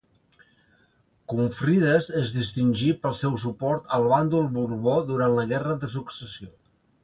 Confrides es distingí pel seu suport al bàndol borbó durant la guerra de Successió.